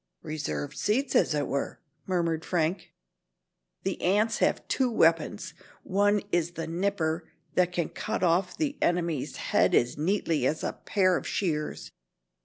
"Reserved seats as it were," murmured Frank. "The ants have two weapons. One is the nipper, that can cut off their enemy's head as neatly as a pair of shears.